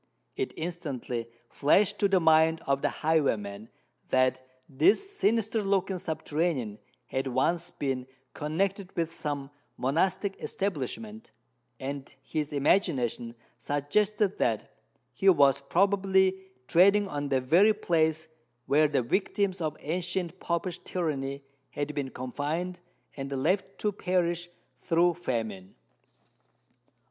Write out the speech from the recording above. It instantly flashed to the mind of the highwayman that this sinister looking subterranean had once been connected with some monastic establishment; and his imagination suggested that he was probably treading on the very place where the victims of ancient Popish tyranny had been confined and left to perish through famine.